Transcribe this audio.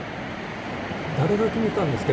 誰が決めたんですか？